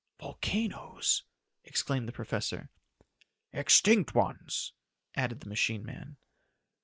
"Volcanoes!" exclaimed the professor. "Extinct ones," added the machine man.